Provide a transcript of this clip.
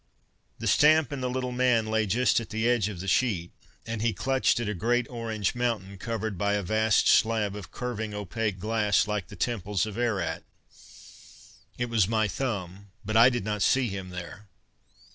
The stamp and the little man lay just at the edge of the sheet, and he clutched at a "great orange mountain" covered by a "vast slab of curving, opaque glass" like the "Temples of Aerat." It was my thumb, but I did not see him there.